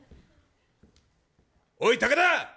おい武田。